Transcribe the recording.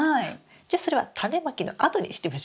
じゃそれはタネまきの後にしてみましょうか。